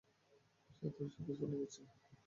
সে তার সাথে চলে গেছে।